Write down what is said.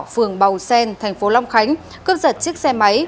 phường bầu xen tp long khánh cướp giật chiếc xe máy